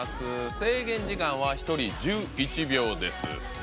制限時間は１人１１秒です。